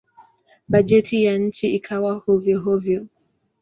Bajeti ya nchi ikawa hovyo-hovyo.